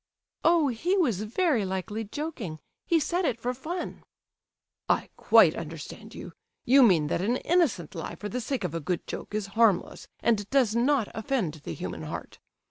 "Oh, he was very likely joking; he said it for fun." "I quite understand you. You mean that an innocent lie for the sake of a good joke is harmless, and does not offend the human heart.